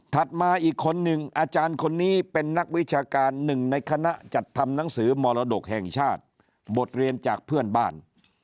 มาอีกคนหนึ่งอาจารย์คนนี้เป็นนักวิชาการหนึ่งในคณะจัดทำหนังสือมรดกแห่งชาติบทเรียนจากเพื่อนบ้าน